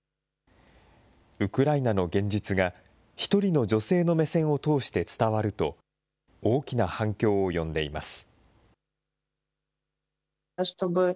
ウクライナの現実が、一人の女性の目線を通して伝わると、大きな反響を呼んでいます。